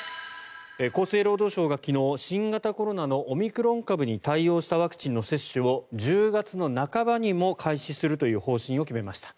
厚生労働省が昨日新型コロナのオミクロン株に対応したワクチンの接種を１０月半ばにも開始するという方針を決めました。